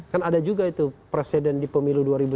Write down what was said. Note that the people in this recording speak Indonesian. kan ada juga itu presiden di pemilu dua ribu sembilan belas